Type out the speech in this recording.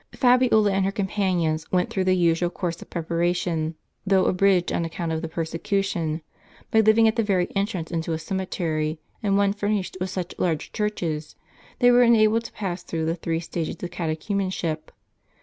Fabiola and her companions went through the usual course of preparation, though abridged on account of the persecution. By living at the very entrance into a cemetery, and one fur nished with such large churches, they were enabled to pass through the three stages of catechumenship.